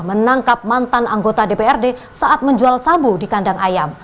menangkap mantan anggota dprd saat menjual sabu di kandang ayam